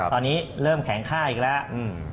ตอนนี้เริ่มแข็งค่าอีกแล้ว